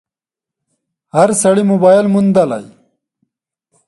هر سړي موبایل موندلی